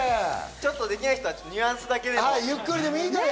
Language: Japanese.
ちょっとできない人はニュアンスだけでも。